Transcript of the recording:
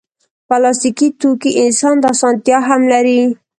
پلاستيکي توکي انسان ته اسانتیا هم لري.